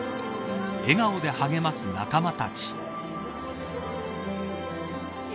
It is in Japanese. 笑顔で励ます仲間たち。